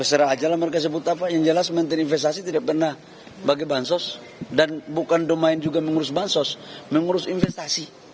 bahlil menyebut menteri investasi tidak pernah bagi bagi bantuan sosial